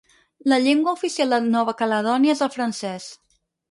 La llengua oficial de Nova Caledònia és el francès.